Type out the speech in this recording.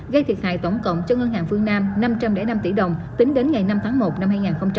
gây thiệt hại tổng cộng cho ngân hàng phương nam năm trăm linh năm tỷ đồng tính đến ngày năm tháng một năm hai nghìn hai mươi